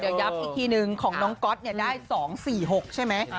เดี๋ยวย้ำอีกทีนึงของน้องก๊อตได้๒๔๖ใช่ไหม